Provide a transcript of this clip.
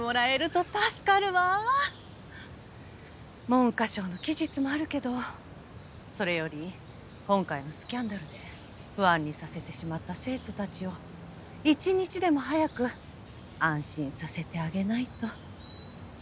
文科省の期日もあるけどそれより今回のスキャンダルで不安にさせてしまった生徒たちを一日でも早く安心させてあげないと。